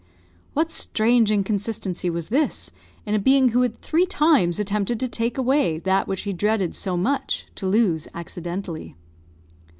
What strange inconsistency was this, in a being who had three times attempted to take away that which he dreaded so much to lose accidentally!